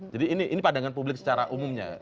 jadi ini pandangan publik secara umumnya